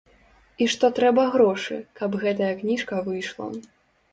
І што трэба грошы, каб гэтая кніжка выйшла.